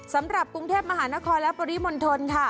สำหรับกรุงเทพมหานครและปริมณฑลค่ะ